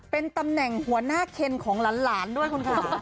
เป็นตำแหน่งหัวหน้าเคนของหลานด้วยคุณค่ะ